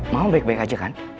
mau baik baik aja kan